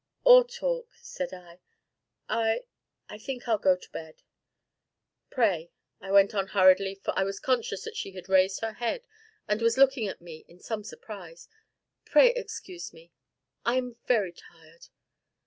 "Or talk," said I; "I I think I'll go to bed. Pray," I went on hurriedly, for I was conscious that she had raised her head and was looking at me in some surprise, "pray excuse me I'm very tired."